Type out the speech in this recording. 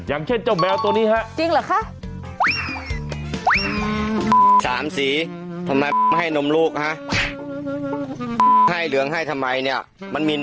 อย่างเช่นเจ้าแมวตัวนี้ฮะจริงเหรอคะ